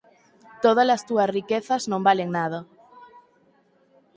Tódalas túas riquezas non valen nada.